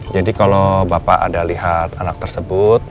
jadi kalau bapak ada lihat anak tersebut